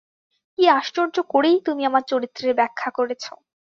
কী আশ্চর্য করেই তুমি আমার চরিত্রের ব্যাখ্যা করেছ।